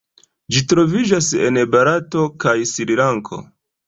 Ĝi troviĝas en Barato kaj Srilanko.